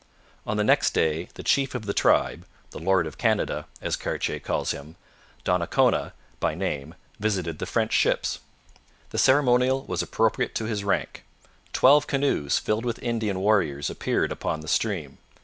On the next day the chief of the tribe, the lord of Canada, as Cartier calls him, Donnacona by name, visited the French ships. The ceremonial was appropriate to his rank. Twelve canoes filled with Indian warriors appeared upon the stream.